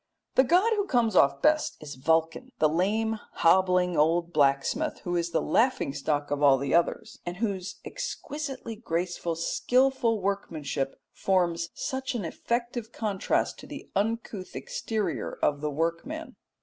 The god who comes off best is Vulcan, the lame, hobbling, old blacksmith, who is the laughing stock of all the others, and whose exquisitely graceful skilful workmanship forms such an effective contrast to the uncouth exterior of the workman.